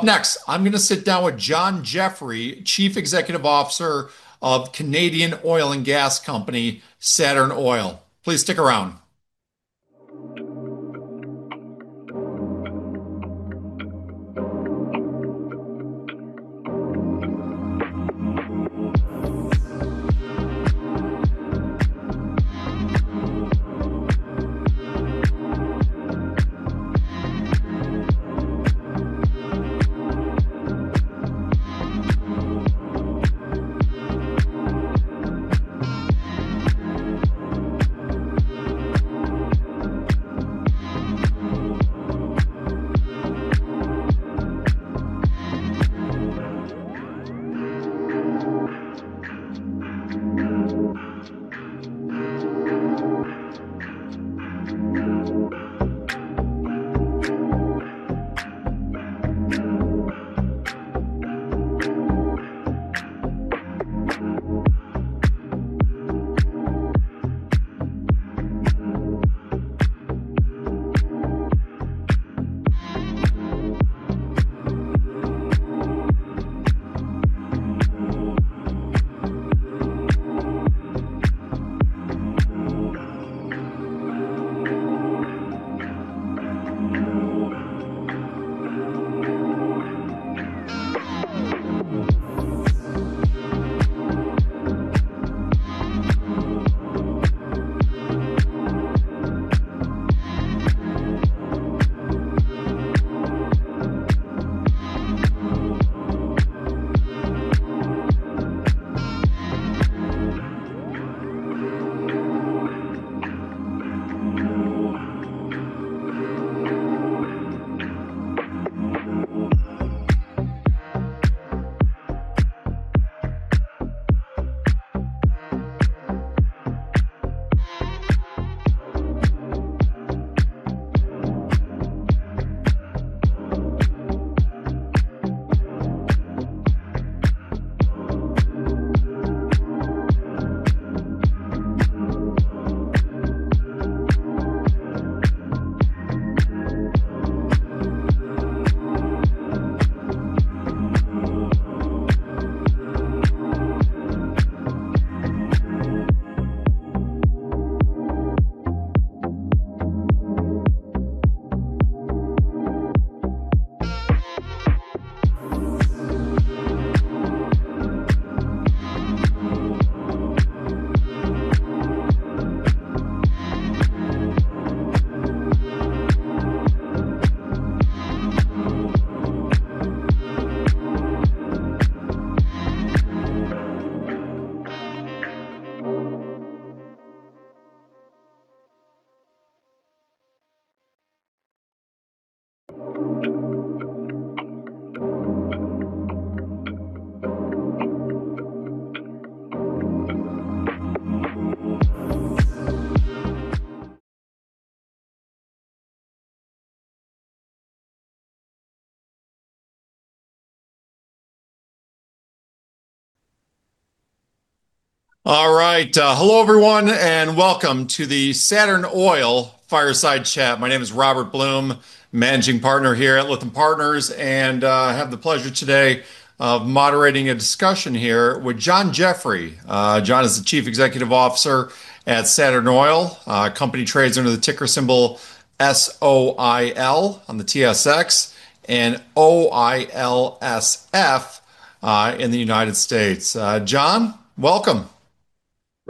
Up next, I'm gonna sit down with John Jeffrey, Chief Executive Officer of Canadian oil and gas company, Saturn Oil & Gas. Please stick around. All right. Hello everyone, and welcome to the Saturn Oil & Gas Fireside Chat. My name is Robert Blum, Managing Partner here at Lytham Partners, and I have the pleasure today of moderating a discussion here with John Jeffrey. John is the Chief Executive Officer at Saturn Oil & Gas. Company trades under the ticker symbol S-O-I-L on the TSX and O-I-L-S-F in the United States. John, welcome.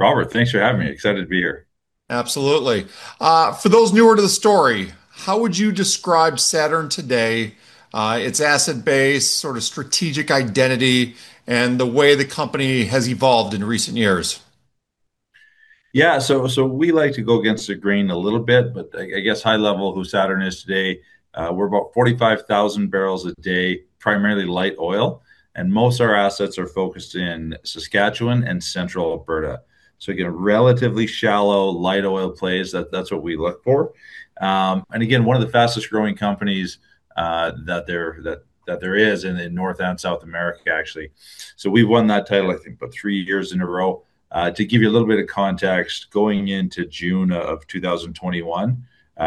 Robert, thanks for having me. Excited to be here. Absolutely. For those newer to the story, how would you describe Saturn today, its asset base, sort of strategic identity, and the way the company has evolved in recent years? Yeah. We like to go against the grain a little bit, but I guess high level who Saturn is today, we're about 45,000 bpd, primarily light oil, and most of our assets are focused in Saskatchewan and central Alberta. Again, relatively shallow light oil plays. That's what we look for. Again, one of the fastest-growing companies that there is in North and South America actually. We've won that title, I think about three years in a row. To give you a little bit of context, going into June 2021,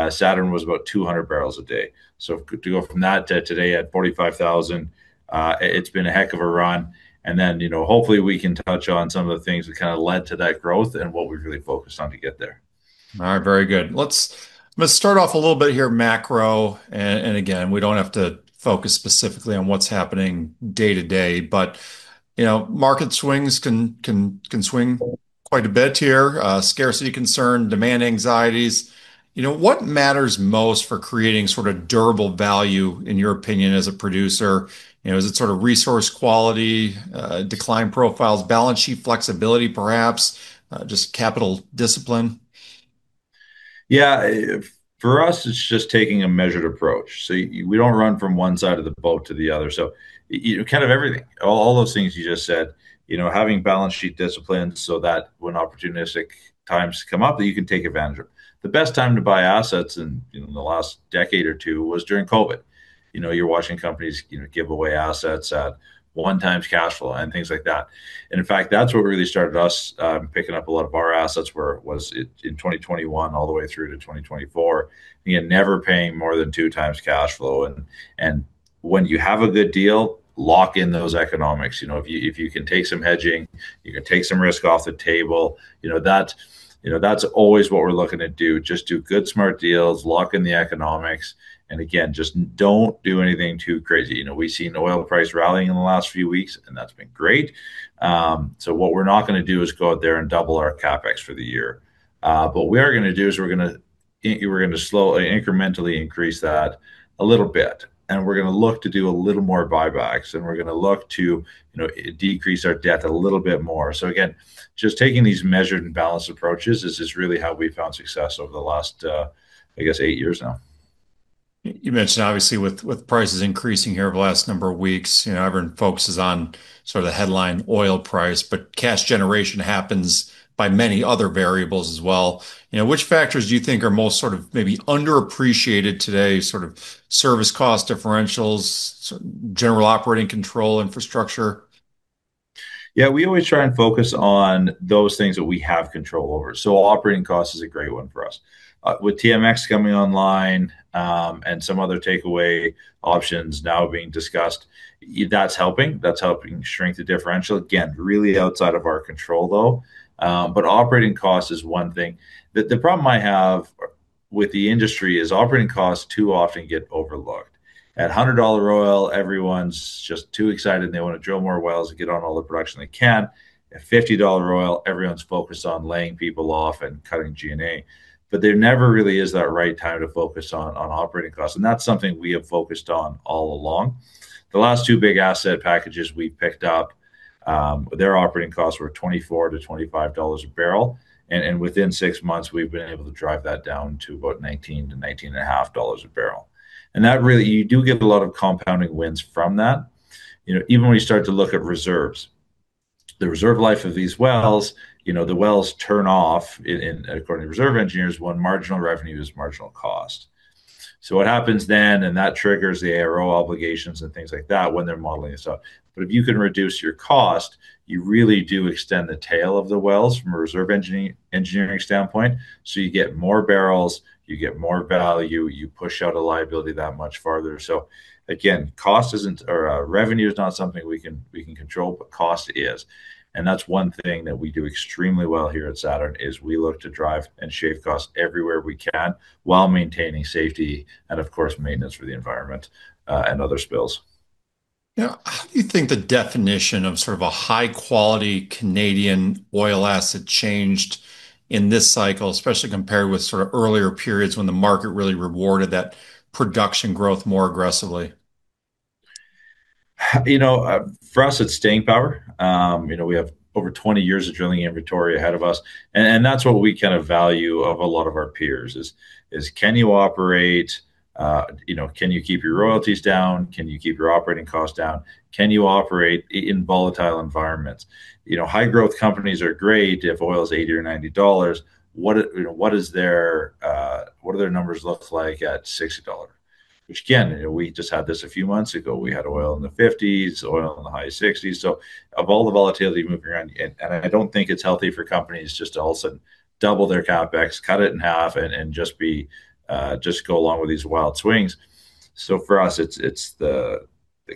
Saturn was about 200 bpd. To go from that to today at 45,000 bpd, it's been a heck of a run, and then, you know, hopefully we can touch on some of the things which kind of led to that growth and what we've really focused on to get there. All right. Very good. Let's start off a little bit here macro and again, we don't have to focus specifically on what's happening day to day, but, you know, market swings can swing quite a bit here. Scarcity concern, demand anxieties. You know, what matters most for creating sort of durable value in your opinion as a producer? You know, is it sort of resource quality, decline profiles, balance sheet flexibility perhaps, just capital discipline? Yeah, for us, it's just taking a measured approach. We don't run from one side of the boat to the other. You kind of everything. All those things you just said. You know, having balance sheet discipline so that when opportunistic times come up that you can take advantage of. The best time to buy assets in the last decade or two was during COVID. You know, you're watching companies give away assets at 1x cash flow and things like that. In fact, that's what really started us picking up a lot of our assets in 2021 all the way through to 2024. Again, never paying more than 2x cash flow and when you have a good deal, lock in those economics. You know, if you can take some hedging, you can take some risk off the table, you know, that's always what we're looking to do. Just do good, smart deals, lock in the economics, and again, just don't do anything too crazy. You know, we've seen oil price rallying in the last few weeks, and that's been great. What we're not gonna do is go out there and double our CapEx for the year. We're gonna slowly, incrementally increase that a little bit, and we're gonna look to do a little more buybacks, and we're gonna look to, you know, decrease our debt a little bit more. Again, just taking these measured and balanced approaches is just really how we found success over the last, I guess, eight years now. You mentioned obviously with prices increasing here over the last number of weeks, you know, everyone focuses on sort of the headline oil price, but cash generation happens by many other variables as well. You know, which factors do you think are most sort of maybe underappreciated today, sort of service cost differentials, sort of general operating control infrastructure? Yeah. We always try and focus on those things that we have control over. Operating cost is a great one for us. With TMX coming online, and some other takeaway options now being discussed, that's helping. That's helping shrink the differential. Again, really outside of our control though. Operating cost is one thing. The problem I have with the industry is operating costs too often get overlooked. At 100 dollar oil, everyone's just too excited, and they wanna drill more wells and get on all the production they can. At 50 dollar oil, everyone's focused on laying people off and cutting G&A. There never really is that right time to focus on operating costs, and that's something we have focused on all along. The last two big asset packages we picked up, their operating costs were 24- 25 dollars a barrel, and within six months, we've been able to drive that down to about 19- 19.5 dollars a barrel. That really you do get a lot of compounding wins from that. You know, even when you start to look at reserves. The reserve life of these wells, you know, the wells turn off when according to reserve engineers, when marginal revenue equals marginal cost. So what happens then, and that triggers the ARO obligations and things like that when they're modeling this up. But if you can reduce your cost, you really do extend the tail of the wells from a reserve engineering standpoint, so you get more barrels, you get more value, you push out a liability that much farther. Again, revenue is not something we can control, but cost is. That's one thing that we do extremely well here at Saturn, is we look to drive and shave costs everywhere we can while maintaining safety and, of course, maintenance for the environment, and other spills. Now, how do you think the definition of sort of a high-quality Canadian oil asset changed in this cycle, especially compared with sort of earlier periods when the market really rewarded that production growth more aggressively? You know, for us, it's staying power. You know, we have over 20 years of drilling inventory ahead of us. And that's what we kind of value of a lot of our peers is can you operate? You know, can you keep your royalties down? Can you keep your operating costs down? Can you operate in volatile environments? You know, high-growth companies are great if oil is 80 or 90 dollars. What, you know, what do their numbers look like at 60 dollars? Which again, you know, we just had this a few months ago. We had oil in the CAD 50s, oil in the high CAD 60s. Of all the volatility moving around, I don't think it's healthy for companies just to all of a sudden double their CapEx, cut it in half, and just go along with these wild swings. For us, it's the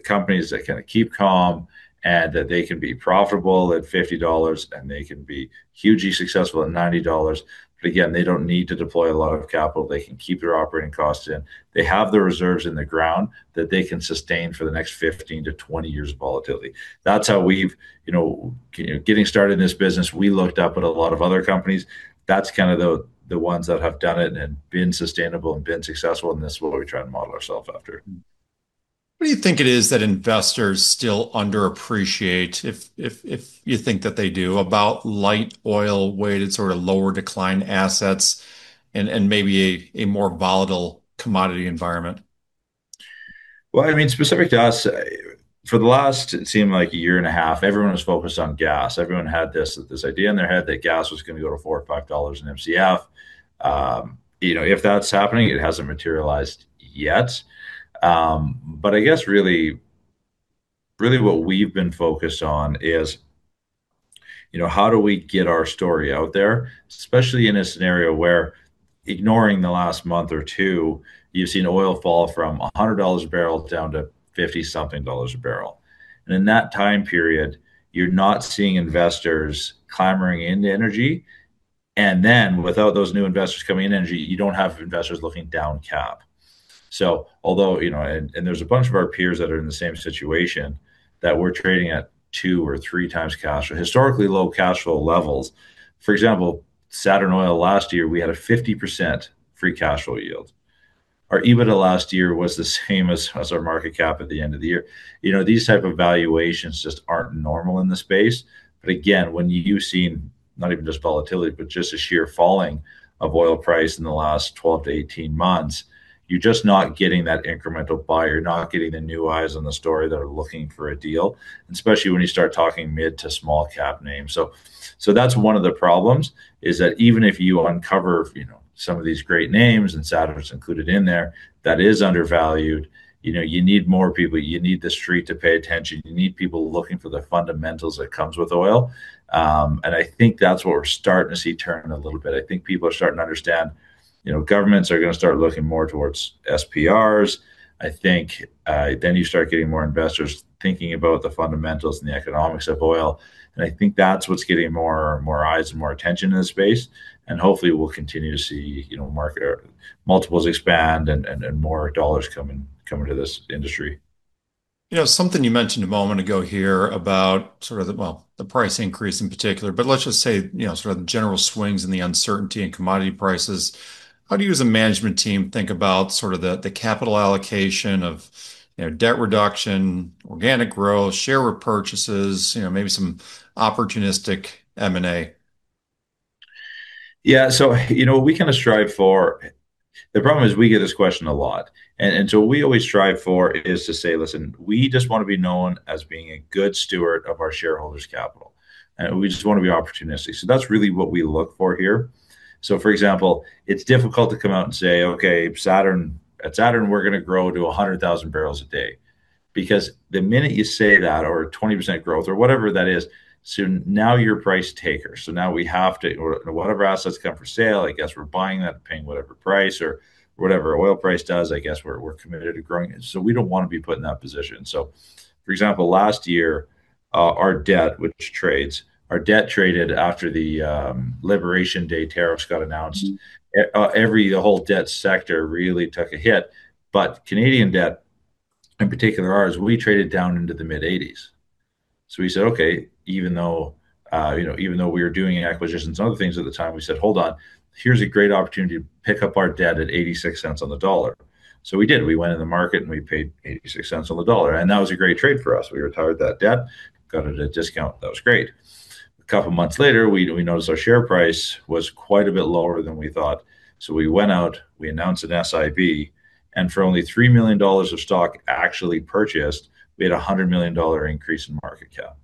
companies that kinda keep calm and that they can be profitable at 50 dollars and they can be hugely successful at 90 dollars. Again, they don't need to deploy a lot of capital. They can keep their operating costs in. They have the reserves in the ground that they can sustain for the next 15-20 years of volatility. That's how we've getting started in this business, we looked up at a lot of other companies. That's kind of the ones that have done it and been sustainable and been successful, and that's what we try to model ourselves after. What do you think it is that investors still underappreciate, if you think that they do, about light oil weighted sort of lower decline assets and maybe a more volatile commodity environment? Well, I mean, specific to us, for the last, it seemed like a year and a half, everyone was focused on gas. Everyone had this idea in their head that gas was gonna go to 4 or 5 dollars per MCF. You know, if that's happening, it hasn't materialized yet. But I guess really what we've been focused on is, you know, how do we get our story out there, especially in a scenario where, ignoring the last month or two, you've seen oil fall from 100 dollars a barrel down to 50-something dollars a barrel. In that time period, you're not seeing investors clamoring into energy, and then without those new investors coming in energy, you don't have investors looking down CapEx. So although, you know... There's a bunch of our peers that are in the same situation that we're trading at 2x or 3x cash or historically low cash flow levels. For example, Saturn Oil & Gas last year, we had a 50% free cash flow yield. Our EBITDA last year was the same as our market cap at the end of the year. You know, these type of valuations just aren't normal in the space. Again, when you've seen not even just volatility, but just a sheer falling of oil price in the last 12-18 months, you're just not getting that incremental buyer. You're not getting the new eyes on the story that are looking for a deal, and especially when you start talking mid to small-cap names. That's one of the problems, is that even if you uncover, you know, some of these great names, and Saturn is included in there, that is undervalued, you know, you need more people. You need the street to pay attention. You need people looking for the fundamentals that comes with oil. I think that's what we're starting to see turn a little bit. I think people are starting to understand, you know, governments are gonna start looking more towards SPRs. I think then you start getting more investors thinking about the fundamentals and the economics of oil, and I think that's what's getting more eyes and more attention in this space, and hopefully we'll continue to see, you know, market multiples expand and more dollars coming to this industry. You know, something you mentioned a moment ago here about sort of the, well, the price increase in particular, but let's just say, you know, sort of the general swings and the uncertainty in commodity prices. How do you as a management team think about sort of the capital allocation of, you know, debt reduction, organic growth, share repurchases, you know, maybe some opportunistic M&A? The problem is we get this question a lot, and so what we always strive for is to say, "Listen, we just wanna be known as being a good steward of our shareholders' capital, and we just wanna be opportunistic." That's really what we look for here. For example, it's difficult to come out and say, "Okay, Saturn, at Saturn we're gonna grow to 100,000 bpd." Because the minute you say that, or 20% growth or whatever that is, now you're a price taker. Now we have to, or whatever assets come for sale, I guess we're buying that and paying whatever price. Or whatever oil price does, I guess we're committed to growing it. We don't wanna be put in that position. For example, last year, our debt traded after the Liberation Day tariffs got announced. Mm-hmm. Every the whole debt sector really took a hit. Canadian debt, in particular ours, we traded down into the mid-80s. We said, "Okay," even though we were doing acquisitions and other things at the time, we said, "Hold on. Here's a great opportunity to pick up our debt at 0.86 on the dollar." We did. We went in the market, and we paid 0.86 on the dollar, and that was a great trade for us. We retired that debt, got it at a discount. That was great. A couple months later, we noticed our share price was quite a bit lower than we thought, we went out, we announced an SIB, and for only 3 million dollars of stock actually purchased, we had a 100 million dollar increase in market cap.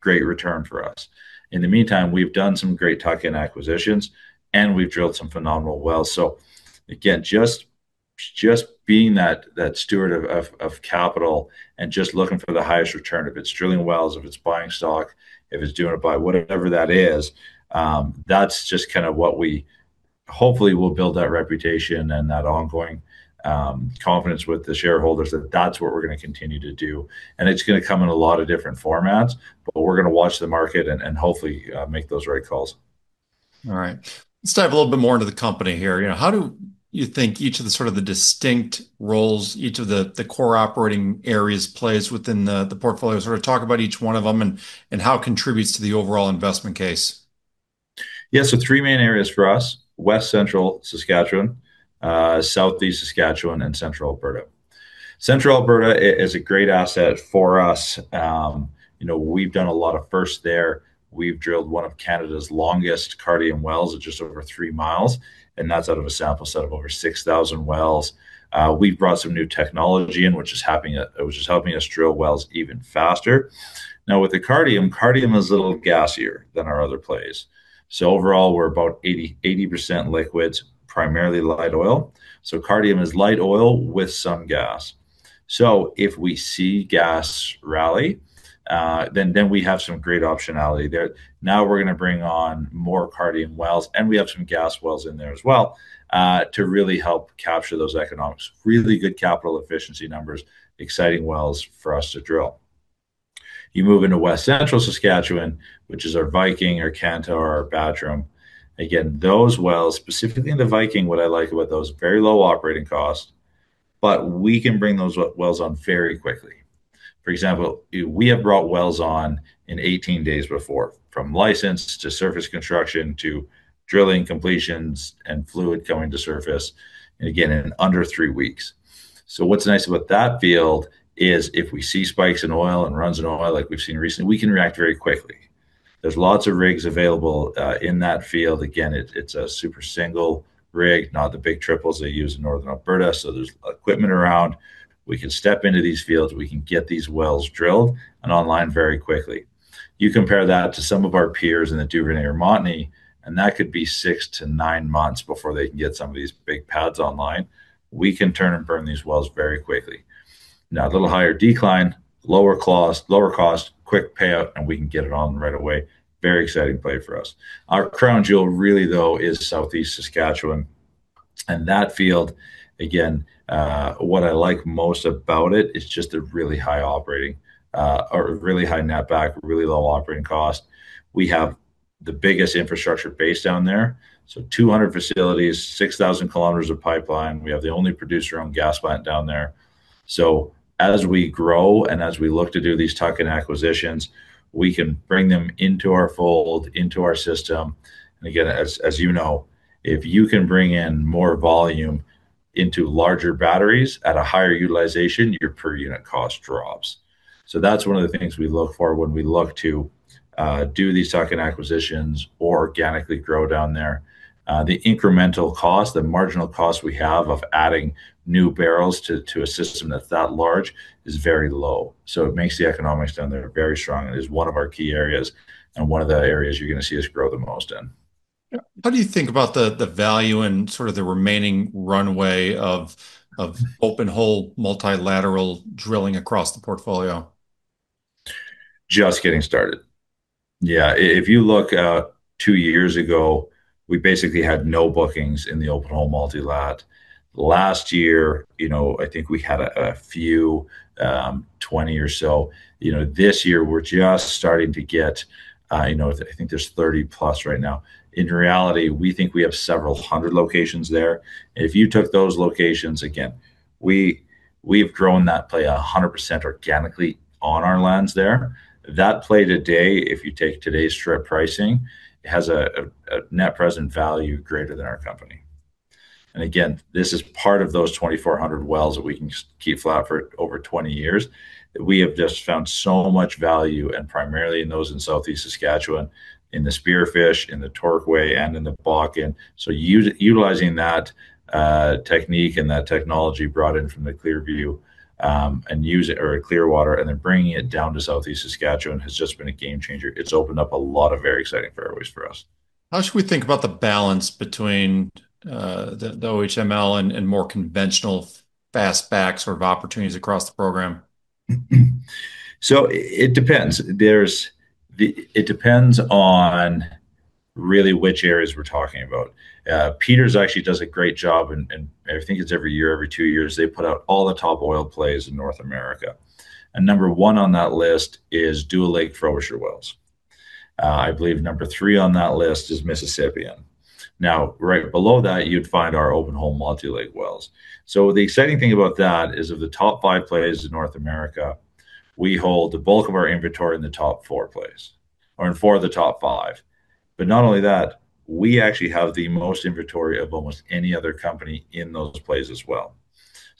Great return for us. In the meantime, we've done some great tuck-in acquisitions, and we've drilled some phenomenal wells. Again, just being that steward of capital and just looking for the highest return, if it's drilling wells, if it's buying stock, if it's doing it by whatever that is, that's just kind of what we hopefully will build that reputation and that ongoing confidence with the shareholders that that's what we're gonna continue to do. It's gonna come in a lot of different formats, but we're gonna watch the market and hopefully make those right calls. All right. Let's dive a little bit more into the company here. You know, how do you think each of the sort of distinct roles each of the core operating areas plays within the portfolio? Sort of talk about each one of them and how it contributes to the overall investment case. Yeah. Three main areas for us, West Central Saskatchewan, Southeast Saskatchewan, and Central Alberta. Central Alberta is a great asset for us. You know, we've done a lot of firsts there. We've drilled one of Canada's longest Cardium wells at just over 3 mi, and that's out of a sample set of over 6,000 wells. We've brought some new technology in which is helping us drill wells even faster. Now, with the Cardium is a little gasier than our other plays. Overall, we're about 80% liquids, primarily light oil. Cardium is light oil with some gas. If we see gas rally, then we have some great optionality there. Now we're gonna bring on more Cardium wells, and we have some gas wells in there as well, to really help capture those economics. Really good capital efficiency numbers, exciting wells for us to drill. You move into West Central Saskatchewan, which is our Viking, our Cantuar, our Battrum. Again, those wells, specifically in the Viking, what I like about those, very low operating cost, but we can bring those wells on very quickly. For example, we have brought wells on in 18 days before, from license to surface construction to drilling completions and fluid coming to surface, and again, in under three weeks. What's nice about that field is if we see spikes in oil and runs in oil like we've seen recently, we can react very quickly. There's lots of rigs available in that field. Again, it's a super single rig, not the big triples they use in Northern Alberta, so there's equipment around. We can step into these fields. We can get these wells drilled and online very quickly. You compare that to some of our peers in the Duvernay-Montney, and that could be six to nine months before they can get some of these big pads online. We can turn and burn these wells very quickly. Now, a little higher decline, lower cost, quick payout, and we can get it on right away. Very exciting play for us. Our crown jewel really though is Southeast Saskatchewan, and that field, again, what I like most about it's just a really high operating, or really high netback, really low operating cost. We have the biggest infrastructure base down there, so 200 facilities, 6,000 km of pipeline. We have the only producer-owned gas plant down there. As we grow and as we look to do these tuck-in acquisitions, we can bring them into our fold, into our system. Again, as you know, if you can bring in more volume into larger batteries at a higher utilization, your per unit cost drops. That's one of the things we look for when we look to do these tuck-in acquisitions organically grow down there. The incremental cost, the marginal cost we have of adding new barrels to a system that's that large is very low, so it makes the economics down there very strong and is one of our key areas and one of the areas you're gonna see us grow the most in. Yeah. What do you think about the value and sort of the remaining runway of open hole multilateral drilling across the portfolio? Just getting started. Yeah. If you look at two years ago, we basically had no bookings in the open hole multilateral last year. You know, I think we had a few, 20 or so. You know, this year we're just starting to get. I think there's 30+ right now. In reality, we think we have several hundred locations there. If you took those locations again, we've grown that play 100% organically on our lands there. That play today, if you take today's strip pricing, has a net present value greater than our company. This is part of those 2,400 wells that we can keep flat for over 20 years. We have just found so much value and primarily in those in southeast Saskatchewan, in the Spearfish, in the Torquay and in the Bakken. Utilizing that technique and that technology brought in from the Clearwater and then bringing it down to southeast Saskatchewan has just been a game changer. It's opened up a lot of very exciting fairways for us. How should we think about the balance between the OHML and more conventional Frobisher sort of opportunities across the program? It depends on really which areas we're talking about. Peters actually does a great job and I think it's every year, every two years, they put out all the top oil plays in North America, and number one on that list is Dual Leg Frobisher wells. I believe number three on that list is Mississippian. Now, right below that, you'd find our open hole multilateral wells. The exciting thing about that is of the top five plays in North America, we hold the bulk of our inventory in the top four plays or in four of the top five. Not only that, we actually have the most inventory of almost any other company in those plays as well.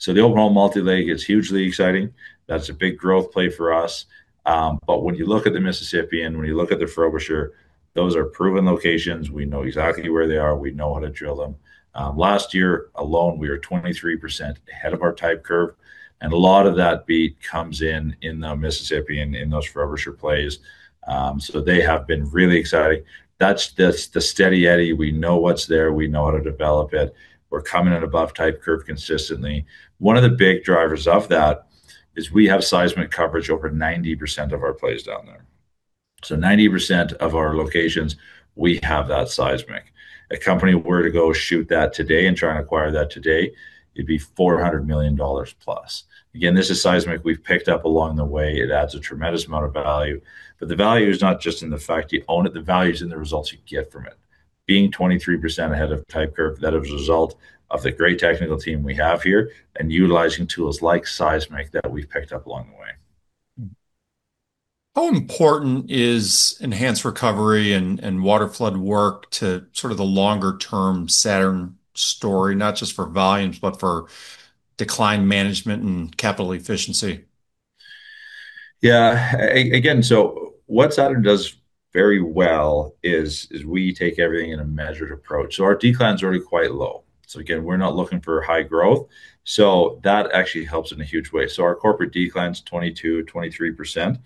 The overall multilateral is hugely exciting. That's a big growth play for us. When you look at the Mississippian, when you look at the Frobisher, those are proven locations. We know exactly where they are. We know how to drill them. Last year alone, we were 23% ahead of our type curve, and a lot of that beat comes in in the Mississippian, in those Frobisher plays. They have been really exciting. That's the steady eddy. We know what's there. We know how to develop it. We're coming in above type curve consistently. One of the big drivers of that is we have seismic coverage over 90% of our plays down there. 90% of our locations, we have that seismic. If a company were to go shoot that today and try and acquire that today, it'd be 400 million dollars+. Again, this is seismic we've picked up along the way. It adds a tremendous amount of value, but the value is not just in the fact you own it, the value is in the results you get from it. Being 23% ahead of Type Curve, that is a result of the great technical team we have here and utilizing tools like seismic that we've picked up along the way. How important is enhanced recovery and waterflood work to sort of the longer term Saturn story, not just for volumes but for decline management and capital efficiency? Yeah. Again, what Saturn does very well is we take everything in a measured approach. Our decline's already quite low. Again, we're not looking for high growth, so that actually helps in a huge way. Our corporate decline's 22%-23%.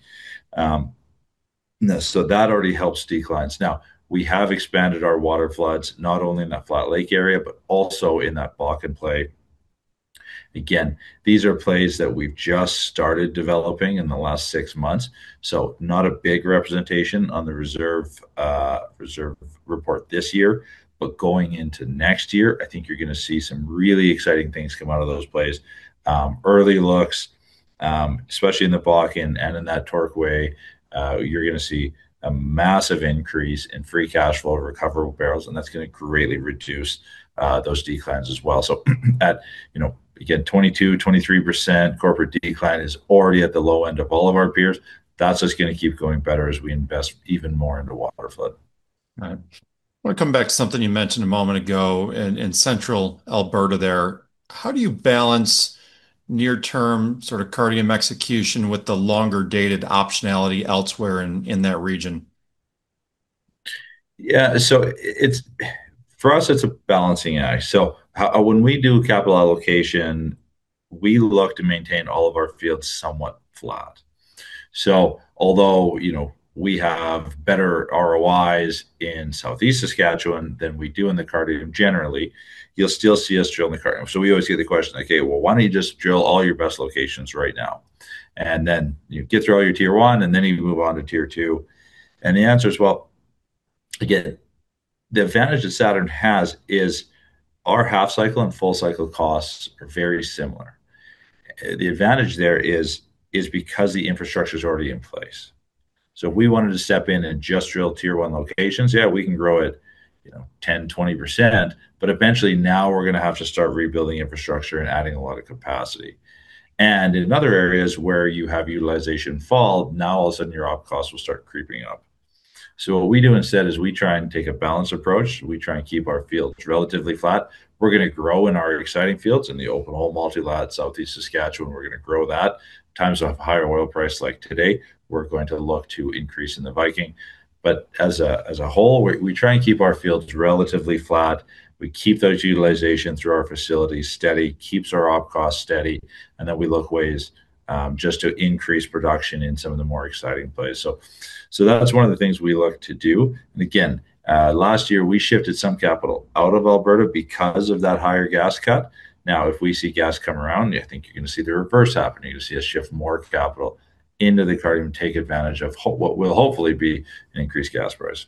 That already helps declines. Now, we have expanded our waterfloods, not only in that Flat Lake area, but also in that Bakken play. Again, these are plays that we've just started developing in the last six months, not a big representation on the reserve report this year, but going into next year, I think you're gonna see some really exciting things come out of those plays. Early looks, especially in the Bakken and in that Torquay, you're gonna see a massive increase in free cash flow recoverable barrels, and that's gonna greatly reduce those declines as well. You know, again, 22%-23% corporate decline is already at the low end of all of our peers. That's just gonna keep going better as we invest even more into waterflood. Right. I want to come back to something you mentioned a moment ago in central Alberta there. How do you balance near-term sort of Cardium execution with the longer-dated optionality elsewhere in that region? Yeah. For us, it's a balancing act. When we do capital allocation, we look to maintain all of our fields somewhat flat. Although, you know, we have better ROIs in Southeast Saskatchewan than we do in the Cardium generally, you'll still see us drill in the Cardium. We always get the question, "Okay, well, why don't you just drill all your best locations right now? And then you get through all your tier one, and then you move on to tier two." The answer is, well, again, the advantage that Saturn has is our Half-Cycle and Full-Cycle costs are very similar. The advantage there is because the infrastructure's already in place. If we wanted to step in and just drill tier one locations, yeah, we can grow it, you know, 10%, 20%, but eventually now we're gonna have to start rebuilding infrastructure and adding a lot of capacity. In other areas where you have utilization fall, now all of a sudden your OpEx will start creeping up. What we do instead is we try and take a balanced approach. We try and keep our fields relatively flat. We're gonna grow in our exciting fields, in the open hole multilateral Southeast Saskatchewan, we're gonna grow that. Times of higher oil price like today, we're going to look to increase in the Viking. As a whole, we try and keep our fields relatively flat. We keep those utilization through our facilities steady, keeps our op costs steady, and then we look for ways just to increase production in some of the more exciting plays. That's one of the things we look to do. Again, last year we shifted some capital out of Alberta because of that higher gas cut. Now, if we see gas come around, I think you're gonna see the reverse happening. You'll see us shift more capital into the Cardium, take advantage of what will hopefully be an increased gas price.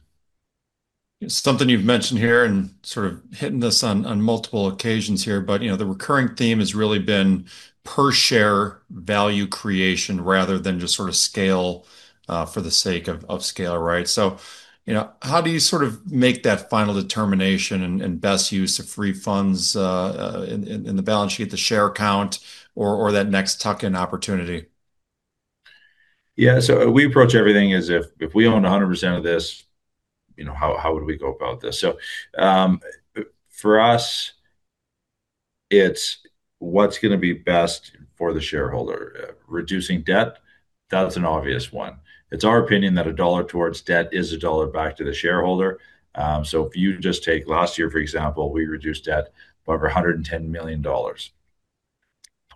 Something you've mentioned here and sort of hitting this on multiple occasions here, but you know, the recurring theme has really been per share value creation rather than just sort of scale for the sake of scale, right? So you know, how do you sort of make that final determination and best use of free funds in the balance sheet, the share count or that next tuck-in opportunity? We approach everything as if we own 100% of this, you know, how would we go about this? For us, it's what's gonna be best for the shareholder. Reducing debt, that's an obvious one. It's our opinion that a dollar towards debt is a dollar back to the shareholder. If you just take last year, for example, we reduced debt by over 110 million dollars.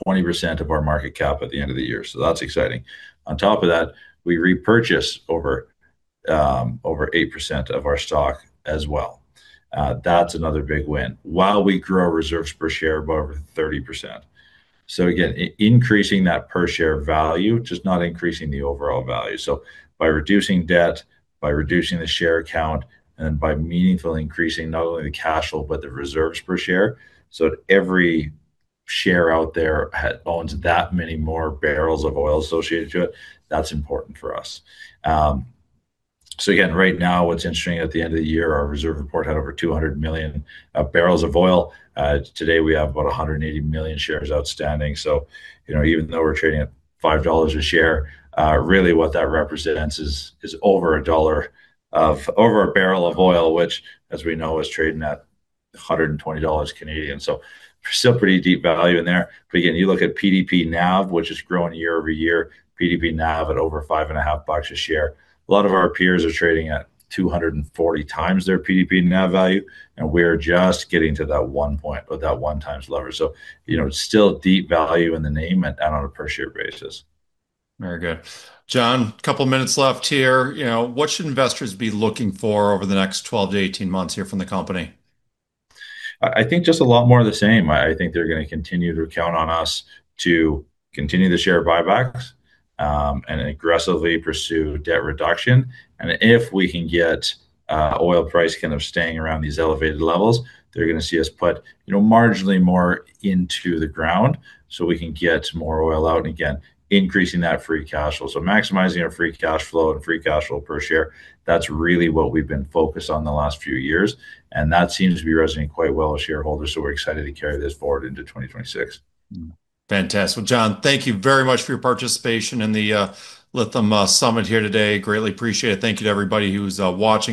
20% of our market cap at the end of the year. That's exciting. On top of that, we repurchased over 8% of our stock as well. That's another big win while we grow reserves per share by over 30%. Again, increasing that per share value, just not increasing the overall value. By reducing debt, by reducing the share count, and by meaningfully increasing not only the cash flow, but the reserves per share, every share out there owns that many more barrels of oil associated to it. That's important for us. Again, right now what's interesting, at the end of the year, our reserve report had over 200 million barrels of oil. Today we have about 180 million shares outstanding. You know, even though we're trading at 5 dollars a share, really what that represents is over a barrel of oil, which as we know is trading at 120 Canadian dollars. Still pretty deep value in there. Again, you look at PDP NAV, which is growing year-over-year, PDP NAV at over 5.5 bucks a share. A lot of our peers are trading at 240x their PDP NAV value, and we're just getting to that one point or that 1x level. You know, it's still deep value in the name at on a per share basis. Very good. John, couple minutes left here. You know, what should investors be looking for over the next 12-18 months here from the company? I think just a lot more of the same. I think they're gonna continue to count on us to continue the share buybacks, and aggressively pursue debt reduction. If we can get oil price kind of staying around these elevated levels, they're gonna see us put marginally more into the ground so we can get more oil out, and again, increasing that free cash flow. Maximizing our free cash flow and free cash flow per share, that's really what we've been focused on the last few years, and that seems to be resonating quite well with shareholders, so we're excited to carry this forward into 2026. Mm-hmm. Fantastic. Well, John, thank you very much for your participation in the Lytham Summit here today. Greatly appreciate it. Thank you to everybody who's watching